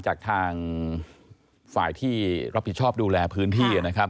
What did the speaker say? จากทางฝ่ายที่รับผิดชอบดูแลพื้นที่นะครับ